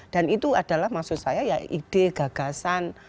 dan itu adalah maksud saya ya ide gagasan